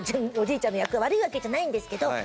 おじいちゃんの役が悪いわけじゃないんですけど。